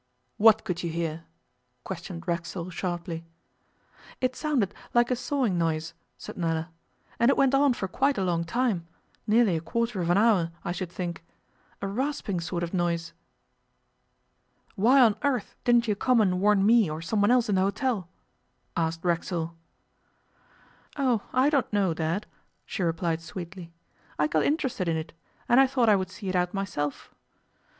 'What could you hear?' questioned Racksole sharply. 'It sounded like a sawing noise,' said Nella; 'and it went on for quite a long time nearly a quarter of an hour, I should think a rasping sort of noise.' 'Why on earth didn't you come and warn me or someone else in the hotel?' asked Racksole. 'Oh, I don't know, Dad,' she replied sweetly. 'I had got interested in it, and I thought I would see it out myself.